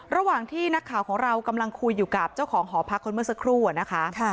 ระหว่างที่นักข่าวของเรากำลังคุยอยู่กับเจ้าของหอพักคนเมื่อสักครู่อะนะคะ